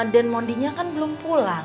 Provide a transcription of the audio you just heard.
dan mondinya kan belum pulang